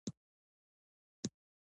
ایا زه باید سوړ خواړه وخورم؟